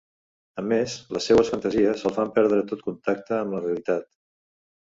A més, les seues fantasies els fan perdre tot contacte amb la realitat.